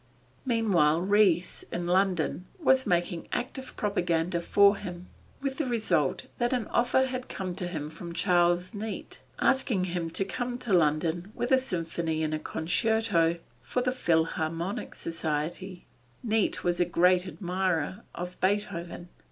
Meanwhile Ries, in London, was making active propaganda for him, with the result that an offer had come to him from Charles Neate asking him to come to London with a symphony and a concerto for the Philharmonic Society. Neate was a great admirer of Beethoven.